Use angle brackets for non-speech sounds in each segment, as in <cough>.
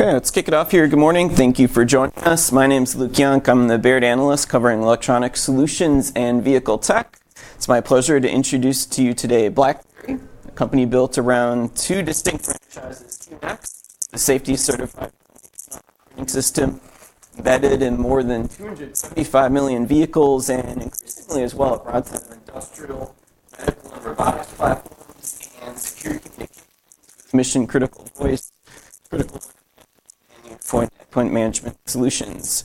Okay, let's kick it off here. Good morning. Thank you for joining us. My name's Luke Junk. I'm the Baird Analyst covering electronic solutions and vehicle tech. It's my pleasure to introduce to you today BlackBerry, a company built around two distinct franchises. QNX, a safety-certified operating system embedded in more than 275 million vehicles and increasingly as well, brought to industrial, medical, and robotics platforms, and security communication, mission-critical voice, critical for end-point management solutions.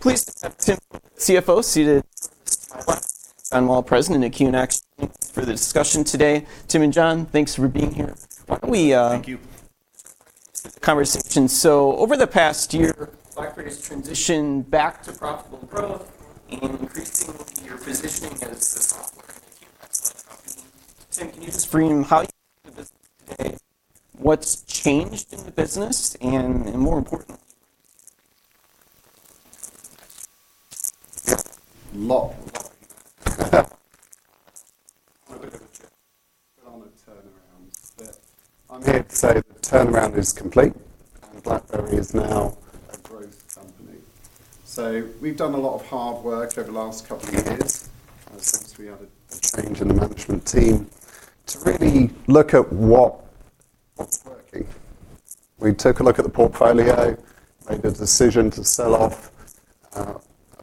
Please accept Tim, CFO, seated to my left, and John Wall, President at QNX, joining us for the discussion today. Tim and John, thanks for being here. Thank you. Start the conversation. Over the past year, BlackBerry's transitioned back to profitable growth and increasingly you're positioning it as the software and the QNX-led company. Tim, can you just bring how you look at the business today, what's changed in the business, and more importantly. <audio distortion> A lot. On a bit of a trip. Still on a turnaround. I'm here to say that the turnaround is complete and BlackBerry is now a growth company. We've done a lot of hard work over the last couple of years, since we had a change in the management team, to really look at what's working. We took a look at the portfolio, made the decision to sell off a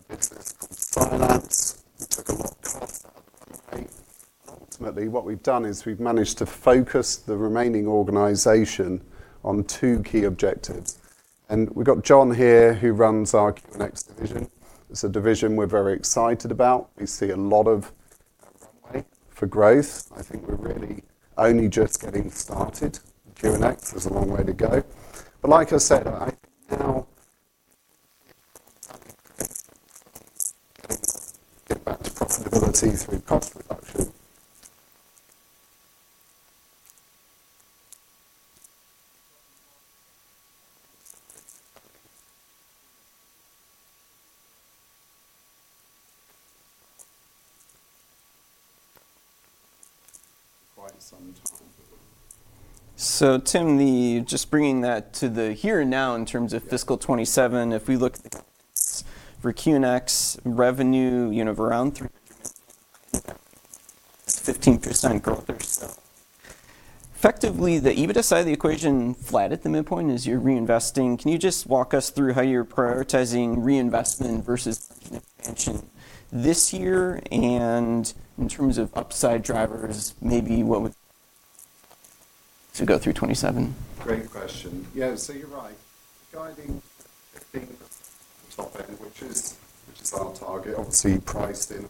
business called Cylance. We took a lot of costs out of the company. Ultimately, what we've done is we've managed to focus the remaining organization on two key objectives. We've got John here, who runs our QNX division. It's a division we're very excited about. We see a lot of runway for growth. I think we're really only just getting started. QNX, there's a long way to go. Like I said, I think now we're finally getting to a point where we can get back to profitability through cost reduction. Quite some time. Tim, just bringing that to the here and now in terms of fiscal 2027, if we look at the growth for QNX revenue, around 15% growth or so. Effectively, the EBITDA side of the equation flat at the midpoint as you're reinvesting. Can you just walk us through how you're prioritizing reinvestment versus expansion this year? In terms of upside drivers, maybe what would to go through 2027. Great question. Yeah. You're right. Guiding 15% at the top end, which is our target, obviously priced in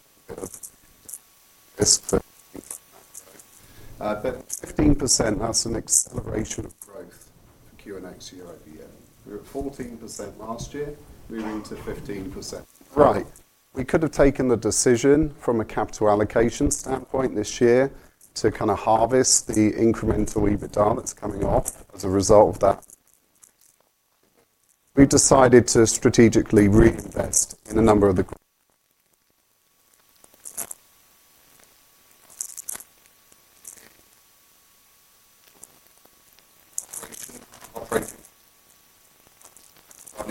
a bit of risk for that growth. 15%, that's an acceleration of growth for QNX year-over-year. We were at 14% last year, moving to 15%. Right. We could have taken the decision from a capital allocation standpoint this year to kind of harvest the incremental EBITDA that's coming off as a result of that. We decided to strategically reinvest in a number of the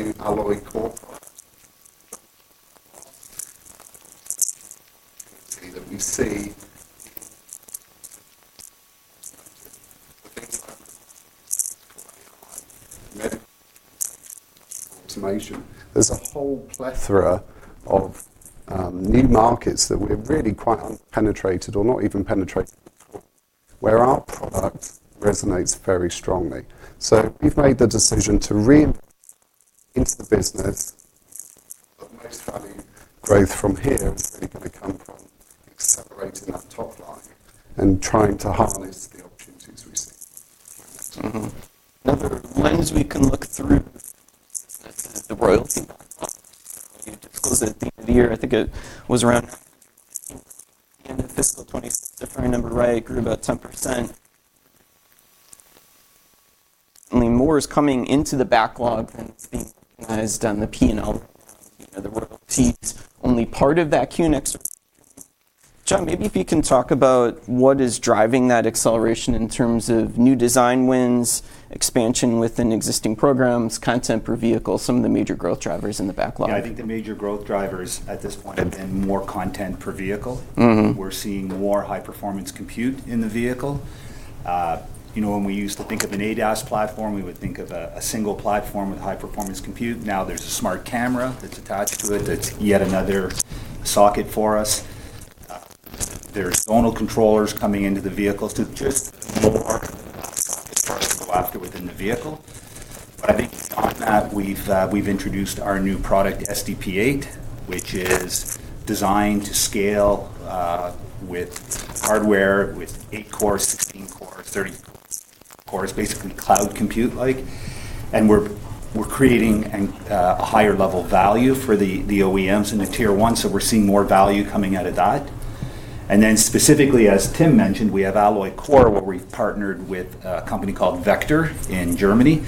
operating. Our new Alloy Core product. You can see that we see things like AI, medical, automation. There's a whole plethora of new markets that we're really quite un-penetrated or not even penetrated before, where our product resonates very strongly. We've made the decision to reinvest into the business. The most value growth from here is really going to come from accelerating that top line and trying to harness the opportunities we see. Mm-hmm. Another lens we can look through the royalty backlog. You disclose at the end of the year, I think it was around $815 million. In fiscal year 2026, if I remember right, it grew about 10%. I mean, more is coming into the backlog than is being recognized on the P&L. The royalty is only part of that QNX. John, maybe if you can talk about what is driving that acceleration in terms of new design wins, expansion within existing programs, content per vehicle, some of the major growth drivers in the backlog. Yeah, I think the major growth drivers at this point have been more content per vehicle. We're seeing more high-performance compute in the vehicle. When we used to think of an ADAS platform, we would think of a single platform with high-performance compute. Now there's a smart camera that's attached to it that's yet another socket for us. There's zonal controllers coming into the vehicles to just multiply the number of sockets there are to go after within the vehicle. I think on top of that, we've introduced our SDP 8.0, which is designed to scale with hardware, with eight core, 16 core, 32 cores, basically cloud compute-like. We're creating a higher level value for the OEMs and the Tier 1s, we're seeing more value coming out of that. Specifically, as Tim mentioned, we have Alloy Core, where we've partnered with a company called Vector in Germany,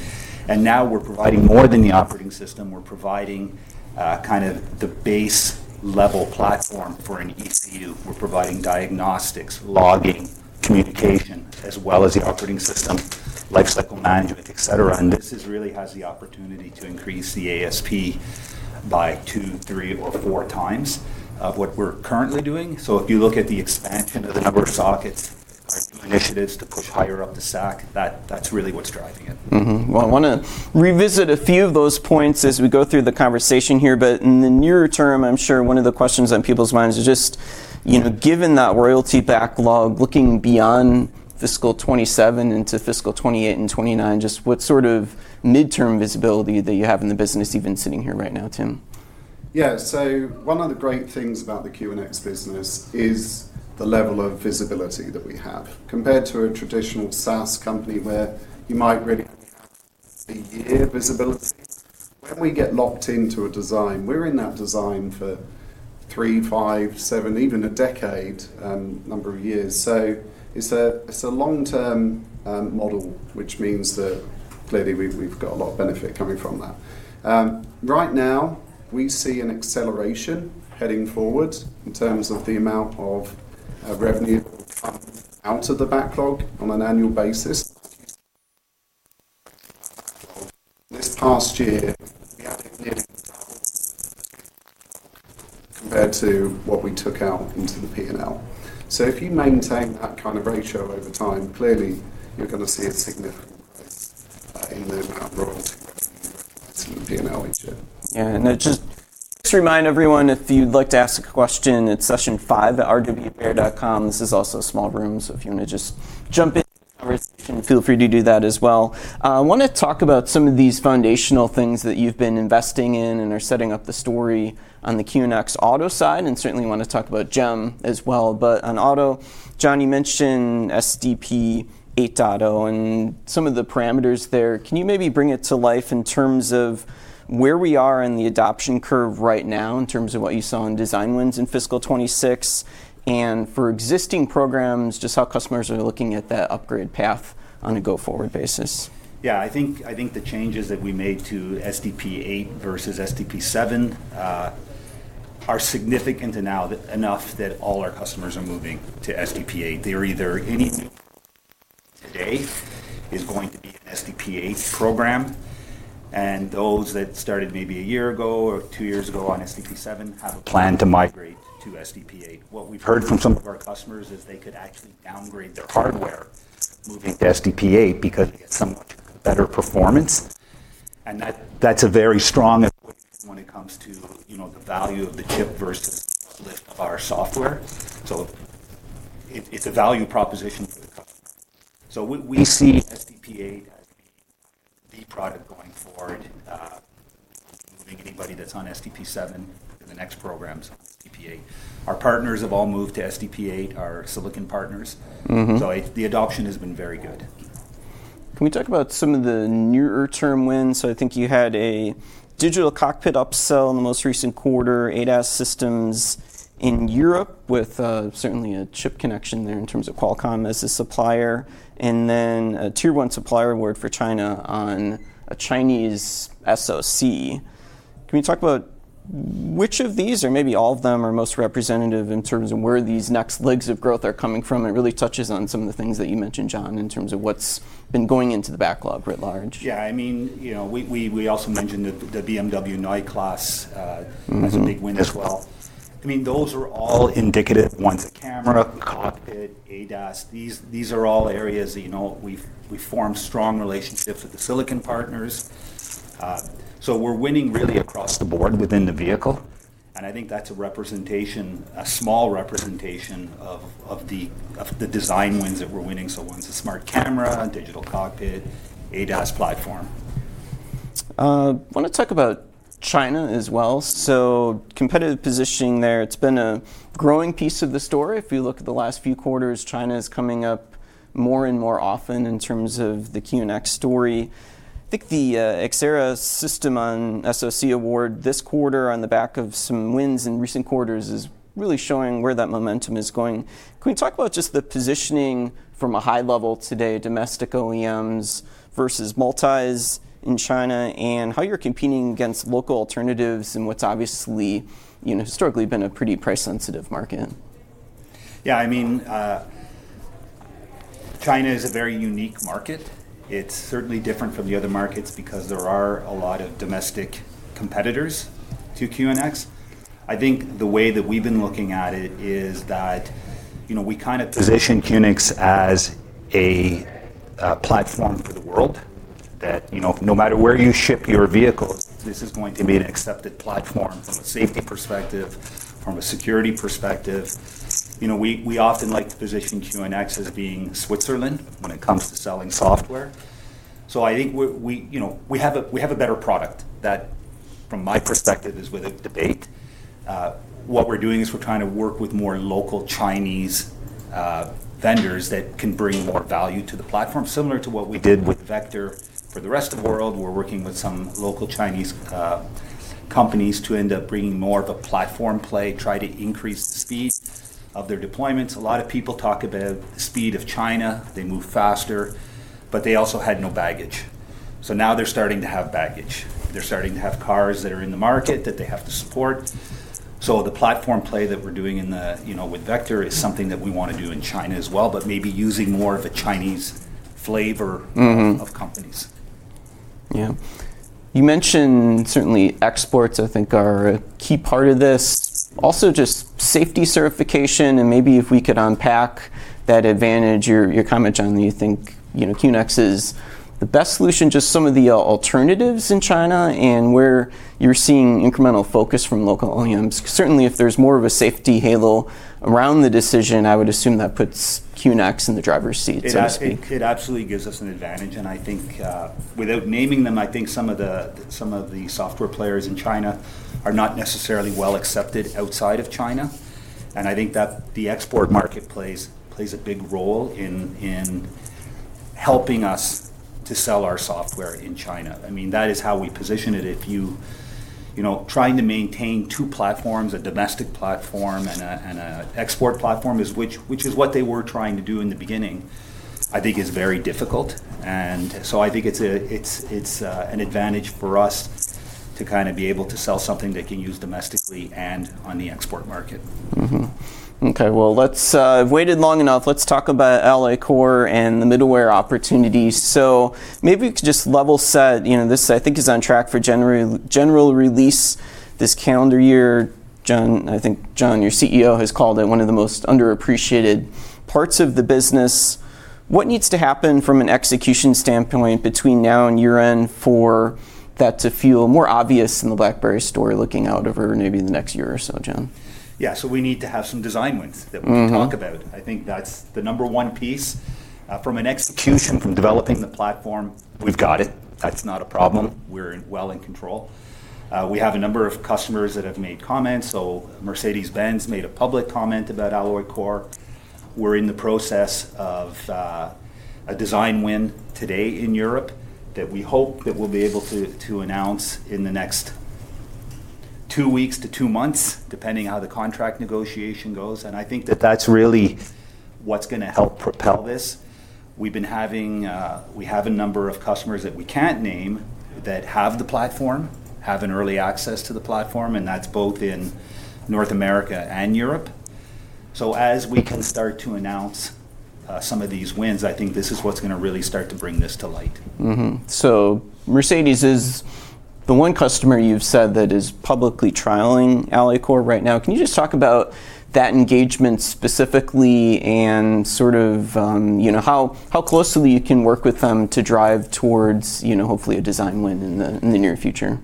now we're providing more than the operating system. We're providing kind of the base level platform for an ECU. We're providing diagnostics, logging, communication, as well as the operating system, life cycle management, etc. This really has the opportunity to increase the ASP by 2x, 3x, or 4x of what we're currently doing. If you look at the expansion of the number of sockets, our initiatives to push higher up the stack, that's really what's driving it. Mm-hmm. Well, I want to revisit a few of those points as we go through the conversation here. In the near term, I'm sure one of the questions on people's minds is just, given that royalty backlog, looking beyond fiscal 2027 into fiscal 2028 and 2029, just what sort of midterm visibility that you have in the business even sitting here right now, Tim? One of the great things about the QNX business is the level of visibility that we have. Compared to a traditional SaaS company where you might really have a year visibility, when we get locked into a design, we're in that design for three, five, seven, even a decade, number of years. It's a long-term model, which means that clearly we've got a lot of benefit coming from that. Right now, we see an acceleration heading forward in terms of the amount of revenue coming out of the backlog on an annual basis. This past year, we had it nearly double compared to what we took out into the P&L. If you maintain that kind of ratio over time, clearly you're going to see a significant rise in the amount of royalties to the P&L each year. Yeah. Just to remind everyone, if you'd like to ask a question, it's session five at rwbaird.com. This is also small rooms. If you want to just jump in, feel free to do that as well. I want to talk about some of these foundational things that you've been investing in and are setting up the story on the QNX Auto side, and certainly want to talk about GEM as well. On Auto, John, you mentioned SDP 8.0 and some of the parameters there. Can you maybe bring it to life in terms of where we are in the adoption curve right now, in terms of what you saw in design wins in fiscal 2026? For existing programs, just how customers are looking at that upgrade path on a go-forward basis? Yeah, I think the changes that we made to SDP 8.0 versus SDP 7.0 Are significant enough that all our customers are moving to SDP 8.0. Any new program today is going to be an SDP 8.0 program, and those that started maybe a year ago or two years ago on SDP 7.0 have a plan to migrate to SDP 8.0. What we've heard from some of our customers is they could actually downgrade their hardware moving to SDP 8.0 because they get so much better performance, and that's a very strong equity when it comes to the value of the chip versus the uplift of our software. It's a value proposition for the customer. We see SDP 8.0 as the product going forward, moving anybody that's on SDP 7.0 to the next programs on SDP 8.0. Our partners have all moved to SDP 8.0, our silicon partners. The adoption has been very good. Can we talk about some of the nearer term wins? I think you had a digital cockpit upsell in the most recent quarter, ADAS systems in Europe with certainly a chip connection there in terms of Qualcomm as the supplier, and then a Tier 1 supplier award for China on a Chinese SoC. Can we talk about which of these, or maybe all of them, are most representative in terms of where these next legs of growth are coming from? It really touches on some of the things that you mentioned, John, in terms of what's been going into the backlog writ large. Yeah, we also mentioned the BMW Neue Klasse as a big win as well. Those are all indicative ones. The camera, the cockpit, ADAS, these are all areas that we've formed strong relationships with the silicon partners. We're winning really across the board within the vehicle, and I think that's a small representation of the design wins that we're winning. One's a smart camera, digital cockpit, ADAS platform. I want to talk about China as well. Competitive positioning there, it's been a growing piece of the story. If we look at the last few quarters, China's coming up more and more often in terms of the QNX story. I think the Xilinx System-on-SoC award this quarter on the back of some wins in recent quarters is really showing where that momentum is going. Can we talk about just the positioning from a high level today, domestic OEMs versus multis in China, and how you're competing against local alternatives in what's obviously historically been a pretty price-sensitive market? China is a very unique market. It's certainly different from the other markets because there are a lot of domestic competitors to QNX. I think the way that we've been looking at it is that we position QNX as a platform for the world, that no matter where you ship your vehicles, this is going to be an accepted platform from a safety perspective, from a security perspective. I think we have a better product, that from my perspective is without debate. We often like to position QNX as being Switzerland when it comes to selling software. I think we have a better product, that from my perspective is without debate. What we're doing is we're trying to work with more local Chinese vendors that can bring more value to the platform. Similar to what we did with Vector for the rest of the world, we're working with some local Chinese companies to end up bringing more of a platform play, try to increase the speed of their deployments. A lot of people talk about the speed of China. They move faster, but they also had no baggage. Now they're starting to have baggage. They're starting to have cars that are in the market that they have to support. The platform play that we're doing with Vector is something that we want to do in China as well, but maybe using more of a Chinese flavor of companies. Yeah. You mentioned certainly exports, I think are a key part of this. Also just safety certification and maybe if we could unpack that advantage, your comment, John, that you think, QNX is the best solution. Just some of the alternatives in China and where you're seeing incremental focus from local OEMs. Certainly, if there's more of a safety halo around the decision, I would assume that puts QNX in the driver's seat. It absolutely gives us an advantage, and I think without naming them, I think some of the software players in China are not necessarily well-accepted outside of China. I think that the export market plays a big role in helping us to sell our software in China. That is how we position it. Trying to maintain two platforms, a domestic platform and an export platform, which is what they were trying to do in the beginning, I think is very difficult. So I think it's an advantage for us to be able to sell something they can use domestically and on the export market. Mm-hmm. Okay. Well, I've waited long enough. Let's talk about Alloy Core and the middleware opportunities. Maybe to just level set, this, I think is on track for general release this calendar year. John, your CEO, has called it one of the most underappreciated parts of the business. What needs to happen from an execution standpoint between now and year-end for that to feel more obvious in the BlackBerry story looking out over maybe the next year or so, John? Yeah. We need to have some design wins that we can talk about. I think that's the number one piece. From an execution, from developing the platform, we've got it. That's not a problem, we're well in control. We have a number of customers that have made comments. Mercedes-Benz made a public comment about Alloy Core. We're in the process of a design win today in Europe that we hope that we'll be able to announce in the next two weeks to two months, depending how the contract negotiation goes. I think that that's really what's going to help propel this. We have a number of customers that we can't name that have the platform, have an early access to the platform, and that's both in North America and Europe. As we can start to announce some of these wins, I think this is what's going to really start to bring this to light. Mercedes is the one customer you've said that is publicly trialing Alloy Core right now. Can you just talk about that engagement specifically and how closely you can work with them to drive towards hopefully a design win in the near future?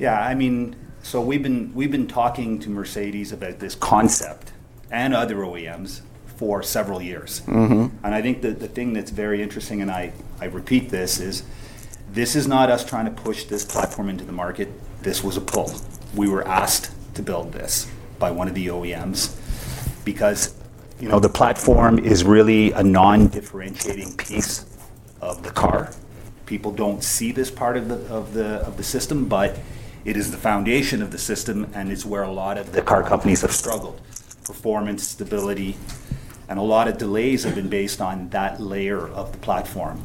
Yeah. We've been talking to Mercedes about this concept and other OEMs for several years. I think that the thing that's very interesting, and I repeat this, is this is not us trying to push this platform into the market. This was a pull. We were asked to build this by one of the OEMs because the platform is really a non-differentiating piece of the car. People don't see this part of the system, but it is the foundation of the system, and it's where a lot of the car companies have struggled. Performance, stability, and a lot of delays have been based on that layer of the platform.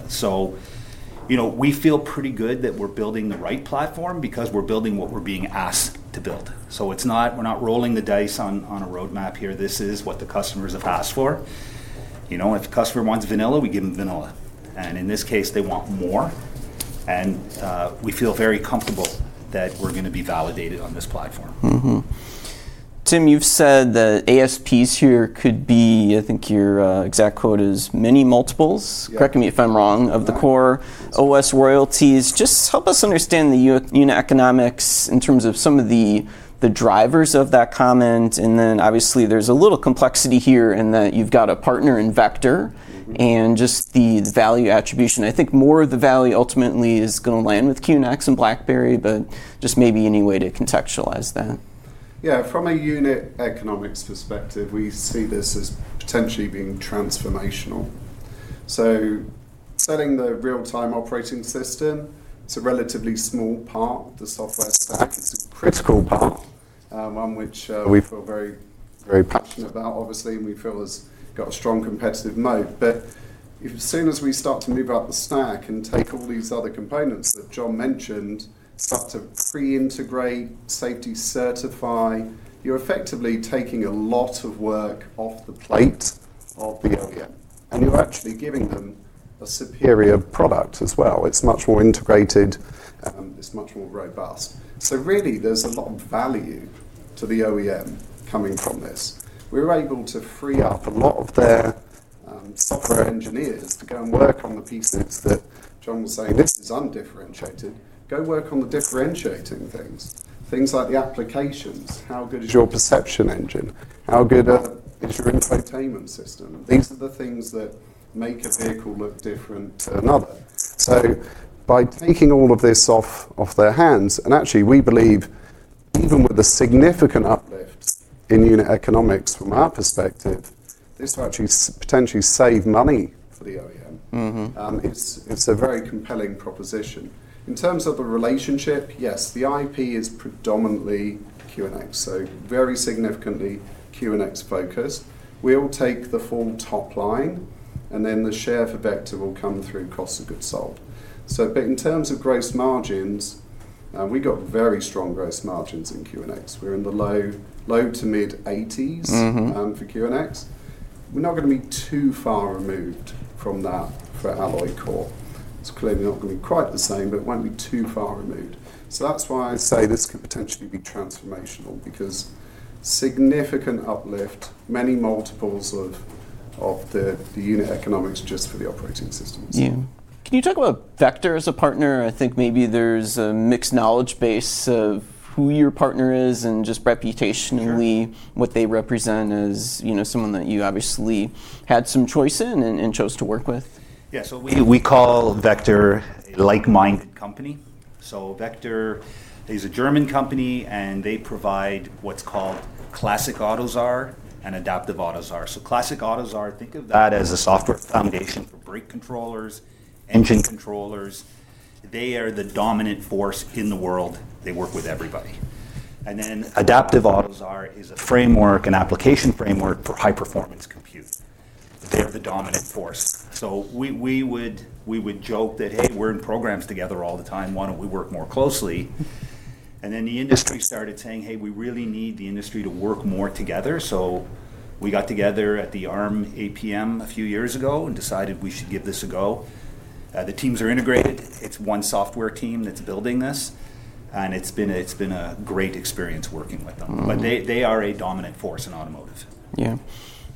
We feel pretty good that we're building the right platform because we're building what we're being asked to build. We're not rolling the dice on a roadmap here. This is what the customers have asked for. If the customer wants vanilla, we give them vanilla. In this case, they want more, and we feel very comfortable that we're going to be validated on this platform. Mm-hmm. Tim, you've said the ASPs here could be, I think your exact quote is, many multiples- Yeah ..correct me if I'm wrong, of the core OS royalties. Just help us understand the unit economics in terms of some of the drivers of that comment, and then obviously there's a little complexity here in that you've got a partner in Vector. Just the value attribution. I think more of the value ultimately is going to land with QNX and BlackBerry, but just maybe any way to contextualize that. Yeah. From a unit economics perspective, we see this as potentially being transformational. Selling the real-time operating system, it's a relatively small part of the software stack. It's a critical part, one which we feel very passionate about obviously, and we feel has got a strong competitive moat. As soon as we start to move up the stack and take all these other components that John mentioned, start to pre-integrate, safety certify, you're effectively taking a lot of work off the plate of the OEM. You're actually giving them a superior product as well. It's much more integrated, and it's much more robust. Really there's a lot of value to the OEM coming from this. We're able to free up a lot of their software engineers to go and work on the pieces that John was saying, this is undifferentiated. Go work on the differentiating things like the applications. How good is your perception engine? How good is your infotainment system? These are the things that make a vehicle look different to another. By taking all of this off their hands, and actually, we believe even with the significant uplift in unit economics from our perspective, this will actually potentially save money for the OEM. It's a very compelling proposition. In terms of a relationship, yes, the IP is predominantly QNX, so very significantly QNX-focused. We'll take the full top line, and then the share for Vector will come through cost of goods sold. In terms of gross margins. We got very strong gross margins in QNX. We're in the low to mid-80s for QNX. We're not going to be too far removed from that for Alloy Core. It's clearly not going to be quite the same, but it won't be too far removed. That's why I say this could potentially be transformational, because significant uplift, many multiples of the unit economics just for the operating system. Yeah. Can you talk about Vector as a partner? I think maybe there's a mixed knowledge base of who your partner is and just reputationally, what they represent as someone that you obviously had some choice in and chose to work with. Yeah. We call Vector a like-minded company. Vector is a German company, and they provide what's called classic AUTOSAR and Adaptive AUTOSAR. Classic AUTOSAR, think of that as the software foundation for brake controllers, engine controllers. They are the dominant force in the world. They work with everybody. Adaptive AUTOSAR is a framework, an application framework, for high-performance compute. They're the dominant force. We would joke that, hey, we're in programs together all the time. Why don't we work more closely? The industry started saying, hey, we really need the industry to work more together. We got together at the Arm APM a few years ago and decided we should give this a go. The teams are integrated. It's one software team that's building this, and it's been a great experience working with them. They are a dominant force in automotive. Yeah.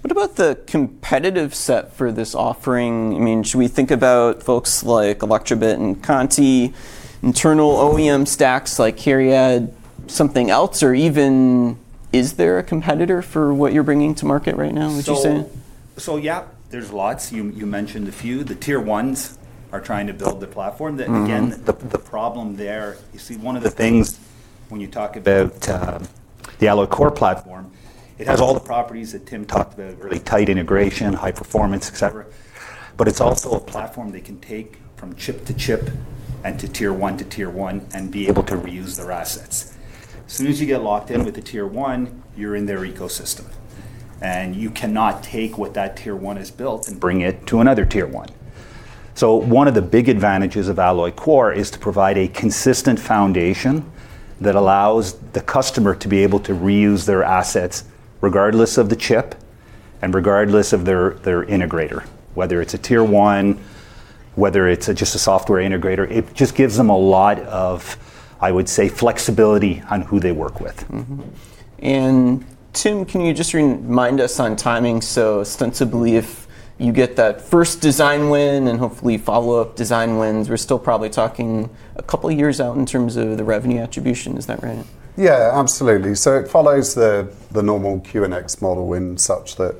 What about the competitive set for this offering? Should we think about folks like Elektrobit and Conti, internal OEM stacks like CARIAD, something else, or even is there a competitor for what you're bringing to market right now, would you say? Yeah. There's lots. You mentioned a few. The Tier 1s are trying to build the platform. The problem there, you see, one of the things when you talk about the Alloy Core platform, it has all the properties that Tim talked about, really tight integration, high performance, etc. It's also a platform they can take from chip to chip and to Tier 1 to Tier 1 and be able to reuse their assets. Soon as you get locked in with a Tier 1, you're in their ecosystem, and you cannot take what that Tier 1 has built and bring it to another Tier 1. One of the big advantages of Alloy Core is to provide a consistent foundation that allows the customer to be able to reuse their assets regardless of the chip and regardless of their integrator, whether it's a Tier 1, whether it's just a software integrator. It just gives them a lot of, I would say, flexibility on who they work with. Mm-hmm. Tim, can you just remind us on timing? Ostensibly, if you get that first design win and hopefully follow-up design wins, we're still probably talking a couple of years out in terms of the revenue attribution. Is that right? Yeah, absolutely. It follows the normal QNX model in such that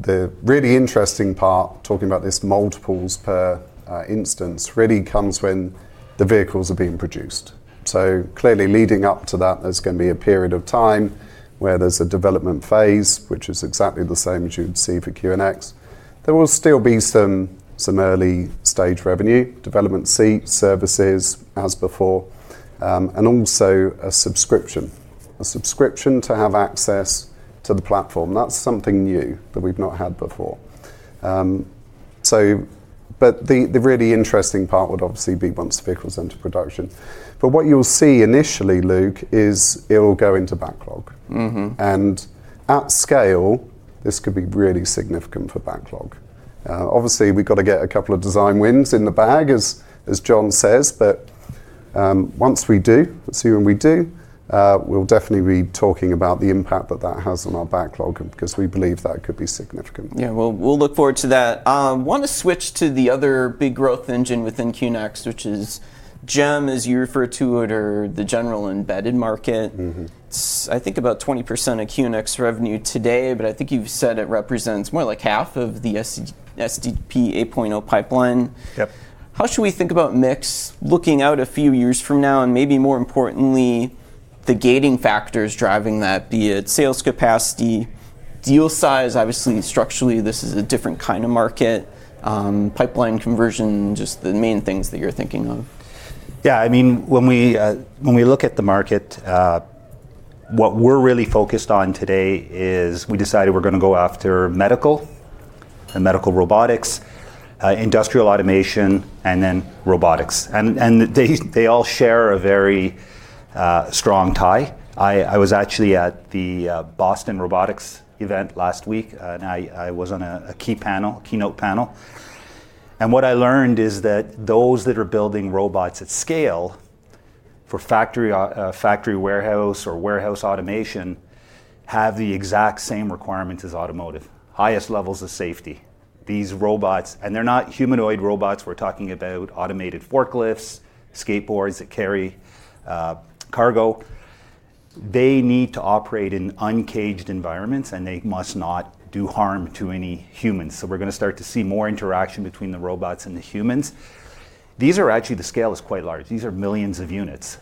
the really interesting part, talking about this multiples per instance, really comes when the vehicles are being produced. Clearly leading up to that, there's going to be a period of time where there's a development phase, which is exactly the same as you would see for QNX. There will still be some early-stage revenue, development seats, services as before, and also a subscription. A subscription to have access to the platform. That's something new that we've not had before. The really interesting part would obviously be once the vehicle's into production. What you'll see initially, Luke, is it'll go into backlog. At scale, this could be really significant for backlog. Obviously, we've got to get a couple of design wins in the bag as John says, but once we do, assuming we do, we'll definitely be talking about the impact that that has on our backlog because we believe that could be significant. We'll look forward to that. Want to switch to the other big growth engine within QNX, which is GEM, as you refer to it, or the general embedded market. It's, I think, about 20% of QNX revenue today, but I think you've said it represents more like half of the SDP 8.0 pipeline. Yep. How should we think about mix looking out a few years from now, and maybe more importantly, the gating factors driving that, be it sales capacity, deal size, obviously structurally this is a different kind of market, pipeline conversion, just the main things that you're thinking of? Yeah. When we look at the market, what we're really focused on today is we decided we're going to go after medical and medical robotics, industrial automation, and then robotics. What I learned is that those that are building robots at scale for factory warehouse or warehouse automation have the exact same requirements as automotive. Highest levels of safety. These robots, and they're not humanoid robots, we're talking about automated forklifts, skateboards that carry cargo. They need to operate in uncaged environments, and they must not do harm to any humans. We're going to start to see more interaction between the robots and the humans. These are actually, the scale is quite large. These are millions of units.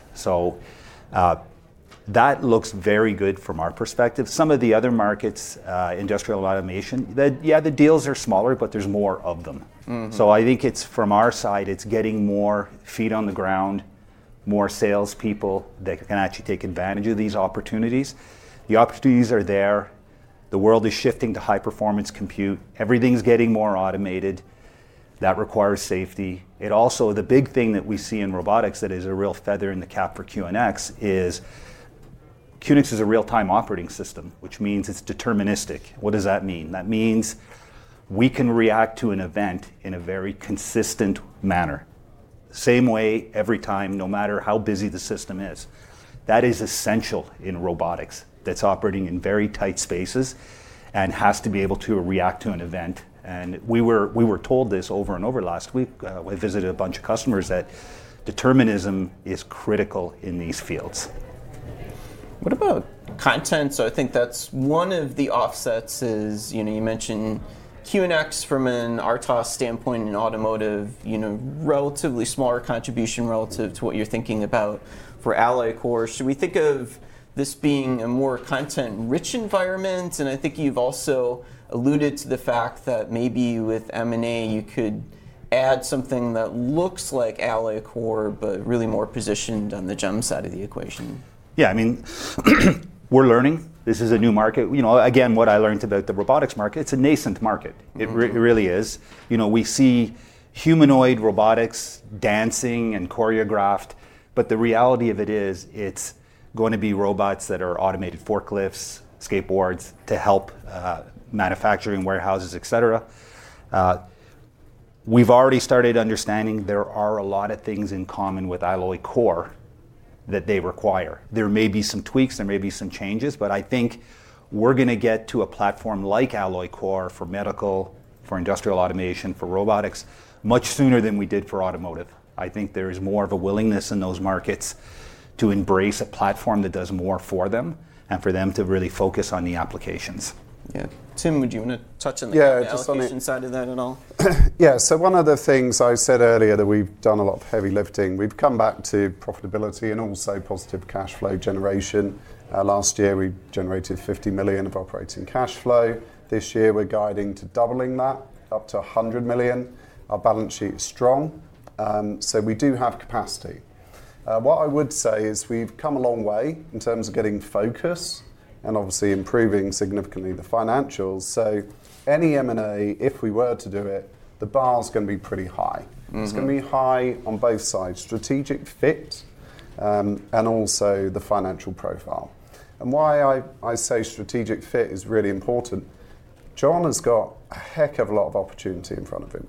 That looks very good from our perspective. Some of the other markets, industrial automation, yeah, the deals are smaller, but there's more of them. I think from our side, it's getting more feet on the ground, more salespeople that can actually take advantage of these opportunities. The opportunities are there. The world is shifting to high-performance compute. Everything's getting more automated. That requires safety. The big thing that we see in robotics that is a real feather in the cap for QNX is QNX is a real-time operating system, which means it's deterministic. What does that mean? That means we can react to an event in a very consistent manner, same way every time, no matter how busy the system is. That is essential in robotics that's operating in very tight spaces and has to be able to react to an event. We were told this over and over last week, we visited a bunch of customers, that determinism is critical in these fields. What about content? I think that's one of the offsets is you mentioned QNX from an RTOS standpoint in automotive, relatively smaller contribution relative to what you're thinking about for Alloy Core. Should we think of this being a more content-rich environment? I think you've also alluded to the fact that maybe with M&A you could add something that looks like Alloy Core, but really more positioned on the GEM side of the equation. Yeah, we're learning. This is a new market. What I learned about the robotics market, it's a nascent market. It really is. We see humanoid robotics dancing and choreographed, but the reality of it is, it's going to be robots that are automated forklifts, skateboards to help manufacturing warehouses, etc. We've already started understanding there are a lot of things in common with Alloy Core that they require. There may be some tweaks, there may be some changes, but I think we're going to get to a platform like Alloy Core for medical, for industrial automation, for robotics much sooner than we did for automotive. I think there is more of a willingness in those markets to embrace a platform that does more for them and for them to really focus on the applications. Tim, would you want to touch on the acquisition side of that at all? One of the things I said earlier that we've done a lot of heavy lifting, we've come back to profitability and also positive cash flow generation. Last year, we generated $50 million of operating cash flow. This year, we're guiding to doubling that up to $100 million. Our balance sheet is strong, we do have capacity. What I would say is we've come a long way in terms of getting focus and obviously improving significantly the financials. Any M&A, if we were to do it, the bar's going to be pretty high. It's going to be high on both sides, strategic fit, and also the financial profile. Why I say strategic fit is really important, John has got a heck of a lot of opportunity in front of him.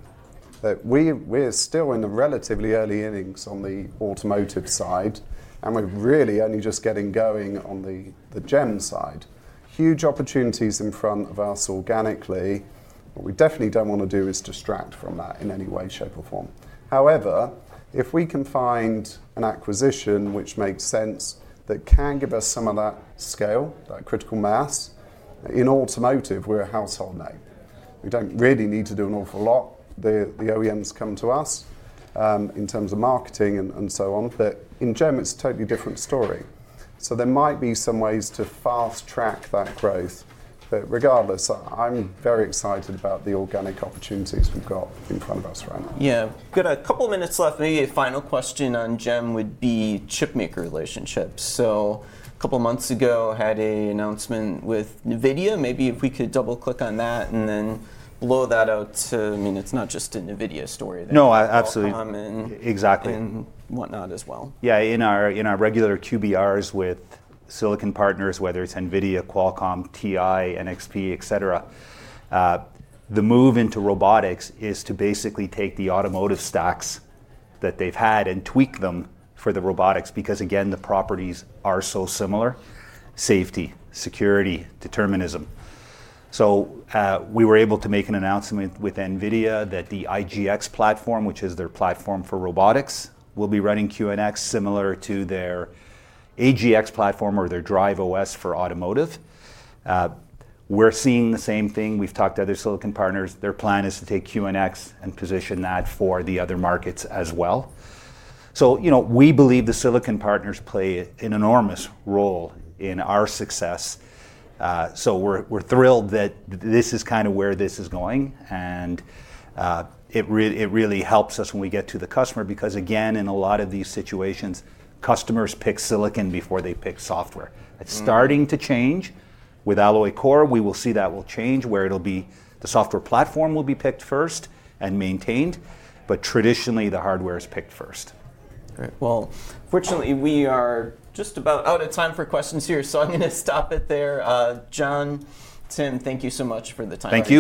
That we're still in the relatively early innings on the automotive side, and we're really only just getting going on the GEM side. Huge opportunities in front of us organically. What we definitely don't want to do is distract from that in any way, shape, or form. However, if we can find an acquisition which makes sense, that can give us some of that scale, that critical mass. In automotive, we're a household name. We don't really need to do an awful lot. The OEMs come to us, in terms of marketing and so on. In GEM, it's a totally different story. There might be some ways to fast-track that growth. Regardless, I'm very excited about the organic opportunities we've got in front of us right now. Yeah. Got a couple minutes left. Maybe a final question on GEM would be chip maker relationships. A couple months ago, had an announcement with Nvidia. Maybe if we could double-click on that and then blow that out to, it's not just a Nvidia story. No, absolutely. Qualcomm and- Exactly. ..whatnot as well. Yeah. In our regular QBRs with silicon partners, whether it's Nvidia, Qualcomm, TI, NXP, etc, the move into robotics is to basically take the automotive stacks that they've had and tweak them for the robotics because, again, the properties are so similar, safety, security, determinism. We were able to make an announcement with Nvidia that the IGX platform, which is their platform for robotics, will be running QNX similar to their AGX platform or their DriveOS for automotive. We're seeing the same thing. We've talked to other silicon partners. Their plan is to take QNX and position that for the other markets as well. We believe the silicon partners play an enormous role in our success. We're thrilled that this is kind of where this is going, and it really helps us when we get to the customer because, again, in a lot of these situations, customers pick silicon before they pick software. It's starting to change. With Alloy Core, we will see that will change where it'll be the software platform will be picked first and maintained, but traditionally, the hardware is picked first. All right. Well, unfortunately, we are just about out of time for questions here, I'm going to stop it there. John, Tim, thank you so much for the time. Thank you.